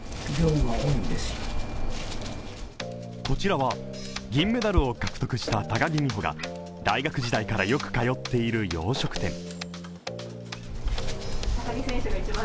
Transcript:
こちらは銀メダルを獲得した高木美帆が大学時代からよく通っている洋食店。